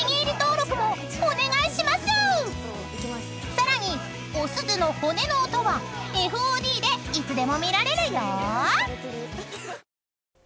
［さらにおすずの骨の音はＦＯＤでいつでも見られるよ］